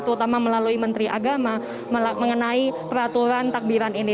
terutama melalui menteri agama mengenai peraturan takbiran ini